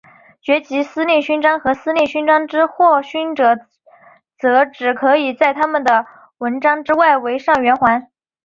爵级司令勋章和司令勋章之获勋者则只可以在他们的纹章之外围上圆环。